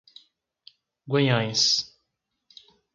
Guanhães